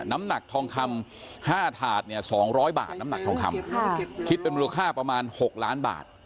น้ำหนักทองคำ๕ถาดเนี่ย๒๐๐บาทน้ำหนักทองคำคิดเป็นมูลค่าประมาณ๖ล้านบาท